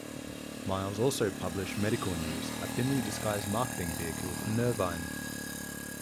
Miles also published "Medical News," a thinly disguised marketing vehicle for Nervine.